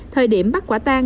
thời điểm bắt quả tan